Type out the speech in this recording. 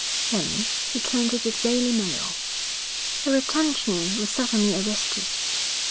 Then she turned to the Daily Mail. Her attention was suddenly arrested.